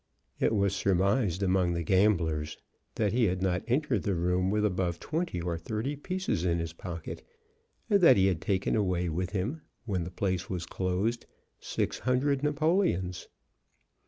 It was surmised among the gamblers there that he had not entered the room with above twenty or thirty pieces in his pocket, and that he had taken away with him, when the place was closed, six hundred napoleons.